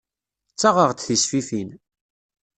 Ssaɣeɣ-d tisfifin.